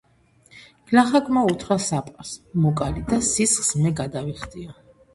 გლახაკმა უთხრა საპყარს: მოკალი და სისხლს მე გადავიხდიო!